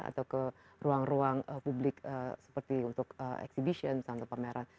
atau ke ruang ruang publik seperti untuk exhibition misalnya pameran